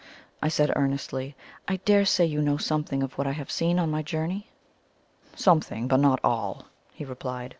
I said earnestly. "I dare say you know something of what I have seen on my journey?" "Something, but not all," he replied.